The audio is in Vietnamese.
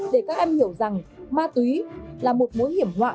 để các em hiểu rằng ma túy là một mối hiểm họa